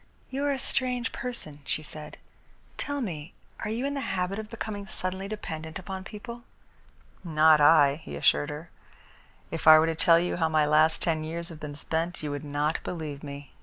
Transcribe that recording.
"You are a strange person," she said. "Tell me, are you in the habit of becoming suddenly dependent upon people?" "Not I," he assured her. "If I were to tell you how my last ten years have been spent, you would not believe me.